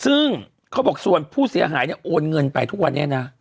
ซึ่งเขาบอกส่วนผู้เสียหายเนี่ยโอนเงินไปทุกวันนี้นะ